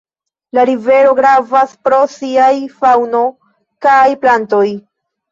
La rivero gravas pro siaj faŭno kaj plantoj.